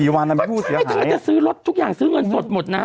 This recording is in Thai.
๔วันทำไมผู้เสียหายถ้าเธอจะซื้อรถทุกอย่างซื้อเงินสดหมดนะ